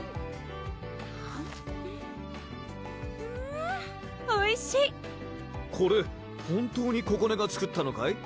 うんおいしいこれ本当にここねが作ったのかい？